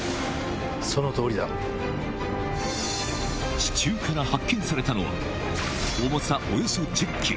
地中から発見されたのは重さおよそ１０ｋｇ